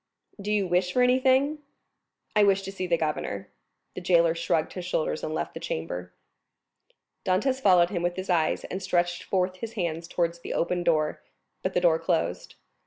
"Do you wish for anything?" "I wish to see the governor." The jailer shrugged his shoulders and left the chamber. Dantès followed him with his eyes, and stretched forth his hands towards the open door; but the door closed.